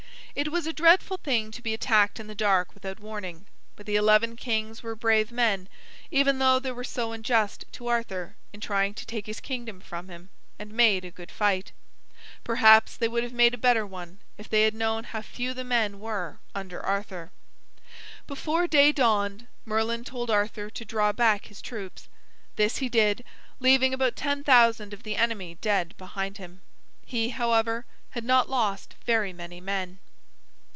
It was a dreadful thing to be attacked in the dark without warning. But the eleven kings were brave men, even though they were so unjust to Arthur in trying to take his kingdom from him, and made a good fight. Perhaps they would have made a better one if they had known how few the men were under Arthur. Before day dawned, Merlin told Arthur to draw back his troops. This he did, leaving about ten thousand of the enemy dead behind him. He, however, had not lost very many men.